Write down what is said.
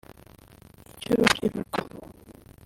icy’urubyiruko